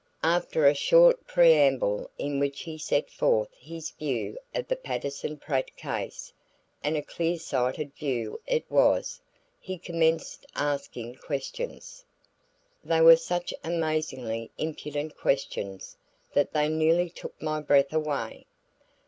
After a short preamble in which he set forth his view of the Patterson Pratt case and a clearsighted view it was he commenced asking questions. They were such amazingly impudent questions that they nearly took my breath away.